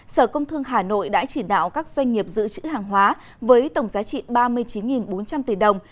sở công thương hà nội đã chỉ đạo các doanh nghiệp giữ chữ hàng hóa với tổng giá trị ba mươi chín bốn trăm linh tỷ đồng